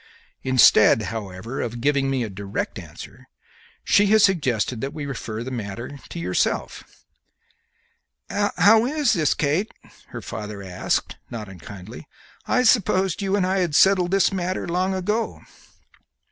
Instead, however, of giving me a direct answer, she has suggested that we refer the matter to yourself." "How is this, Kate?" her father asked, not unkindly; "I supposed you and I had settled this matter long ago."